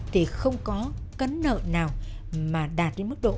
thì không có cấn nợ nào mà đạt đến mức độ